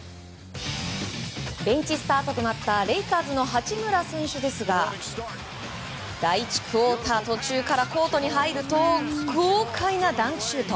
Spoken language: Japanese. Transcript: ベンチスタートとなったレイカーズの八村選手ですが第１クオーター途中からコートに入ると豪快なダンクシュート。